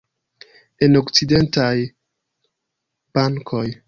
En okcidentaj bankoj.